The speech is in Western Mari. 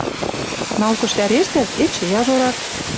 Наукыш вӓрештӓт — эче яжорак: